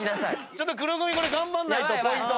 ちょっと黒組頑張らないと。